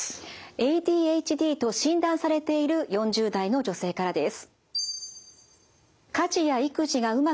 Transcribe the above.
ＡＤＨＤと診断されている４０代の女性からです。